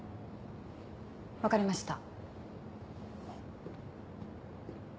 分かりました。